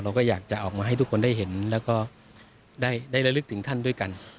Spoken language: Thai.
เราก็อยากจะออกมาให้ทุกคนได้เห็นแล้วก็ได้ระลึกถึงท่านด้วยกัน